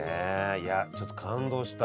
いやちょっと感動した。